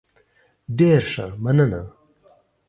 ډیر ښه، مننه.